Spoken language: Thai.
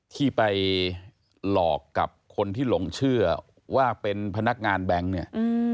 ที่ไปหลอกกับคนที่หลงเชื่อว่าเป็นพนักงานแบงค์เนี่ย